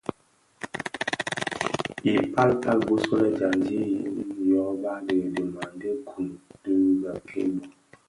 I pal pal bisulè dyandi yin yoba di dhimandè Gunu dhi bèk-kè bō.